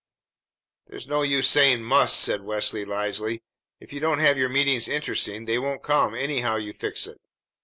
"There's no use saying 'must,'" said Leslie wisely. "If you don't have your meetings interesting, they won't come anyhow you fix it."